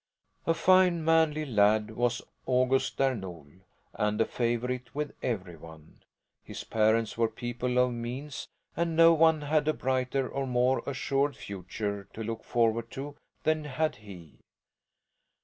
A fine, manly lad was August Där Nol, and a favourite with every one. His parents were people of means and no one had a brighter or more assured future to look forward to than had he.